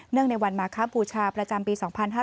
เนื่องในวันมาคะบูชาประจำปี๒๕๖๐